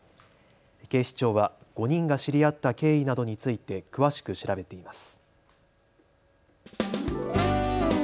警視庁は５人が知り合った経緯などについて詳しく調べています。